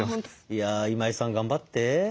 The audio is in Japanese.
いや今井さん頑張って。